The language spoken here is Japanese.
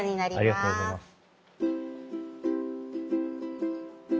ありがとうございます。